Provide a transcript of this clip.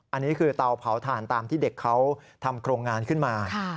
อันนี้คือเตาเผาถ่านตามที่เด็กเขาทำโครงงานขึ้นมา